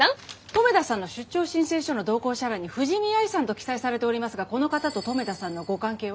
留田さんの出張申請書の同行者欄に藤見アイさんと記載されておりますがこの方と留田さんのご関係は？